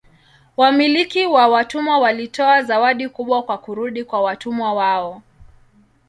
Wamiliki wa watumwa walitoa zawadi kubwa kwa kurudi kwa watumwa wao.